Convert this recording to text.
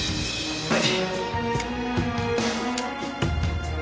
はい。